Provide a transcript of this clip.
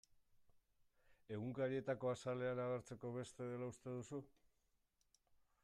Egunkarietako azalean agertzeko beste dela uste duzu?